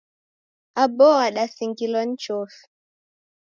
Aboo wadasingilwa ni chofi.